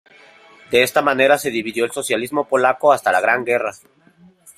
De esta manera se dividió el socialismo polaco hasta la Gran Guerra.